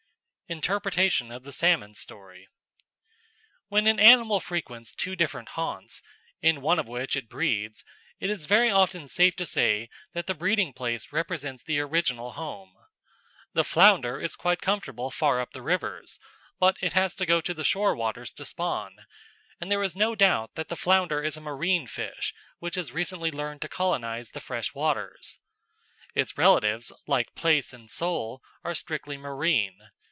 Interpretation of the Salmon's Story When an animal frequents two different haunts, in one of which it breeds, it is very often safe to say that the breeding place represents the original home. The flounder is quite comfortable far up the rivers, but it has to go to the shore waters to spawn, and there is no doubt that the flounder is a marine fish which has recently learned to colonise the fresh waters. Its relatives, like plaice and sole, are strictly marine.